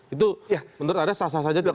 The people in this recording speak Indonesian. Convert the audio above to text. itu menurut anda sah sah saja tidak